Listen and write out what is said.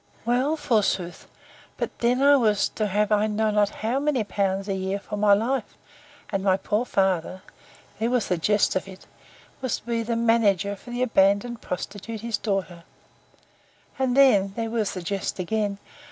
Well, forsooth! but then I was to have I know not how many pounds a year for my life; and my poor father (there was the jest of it!) was to be the manager for the abandoned prostitute his daughter: And then, (there was the jest again!)